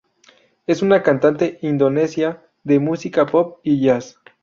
Es una cantante indonesia de música pop y jazz.